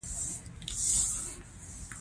پرمختللي او مخ پر ودې هیوادونه اختلاف لري